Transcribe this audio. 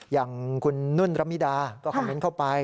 อย่างคุณนุ่นระมิดาก็คอมเมนต์เข้าไป